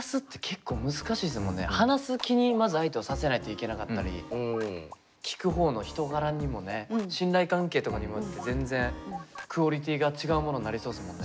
話す気にまず相手をさせないといけなかったり聞く方の人柄にもね信頼関係とかにもよって全然クオリティーが違うものになりそうですもんね。